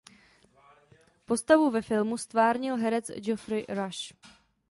Postavu ve filmu ztvárnil herec Geoffrey Rush.